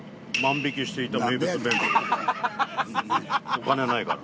お金ないから。